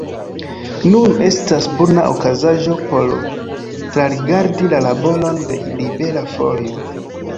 Nun estas bona okazaĵo por trarigardi la laboron de Libera Folio.